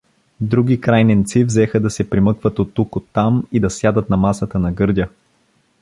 Други крайненци взеха да се примъкват оттук-оттам и да сядат на масата на Гърдя.